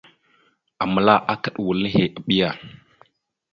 Aməla akaɗ wal nehe, aɓiya.